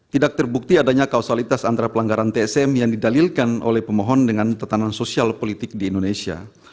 tidak terbukti adanya kausalitas antara pelanggaran tsm yang didalilkan oleh pemohon dengan tetanan sosial politik di indonesia